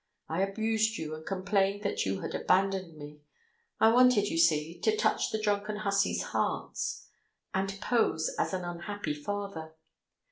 I abused you, and complained that you had abandoned me. I wanted, you see, to touch the drunken hussies' hearts, and pose as an unhappy father.